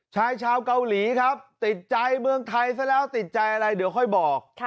ชายชาวเกาหลีครับติดใจเมืองไทยซะแล้วติดใจอะไรเดี๋ยวค่อยบอก